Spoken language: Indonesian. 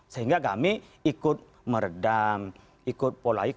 sehingga kami ikut meredam ikut polaik